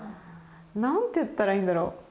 何て言ったらいいんだろう？